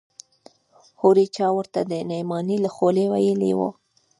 هورې چا ورته د نعماني له خولې ويلي و.